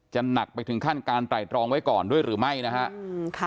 หนักไปถึงขั้นการไตรตรองไว้ก่อนด้วยหรือไม่นะฮะ